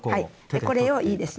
はいでこれをいいですね。